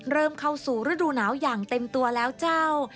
เข้าสู่ฤดูหนาวอย่างเต็มตัวแล้วเจ้า